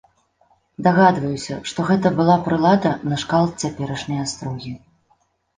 Дагадваюся, што гэта была прылада накшталт цяперашняй астрогі.